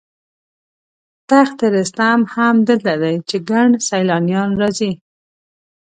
تخت رستم هم دلته دی چې ګڼ سیلانیان راځي.